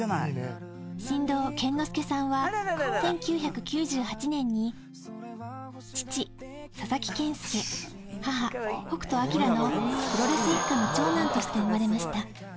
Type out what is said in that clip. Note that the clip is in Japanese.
新郎、健之介さんは１９９８年に父、佐々木健介、母、北斗晶のプロレス一家の長男として生まれました。